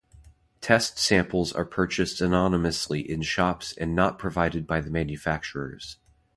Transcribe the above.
Test samples are purchased anonymously in shops and not provided by the manufacturers.